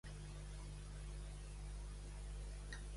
Què va crear amb els conceptes de Fedre?